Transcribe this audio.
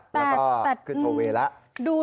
แล้วก็ขึ้นโทเวย์แล้ว